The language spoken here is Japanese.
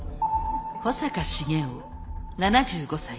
保坂重雄７５才。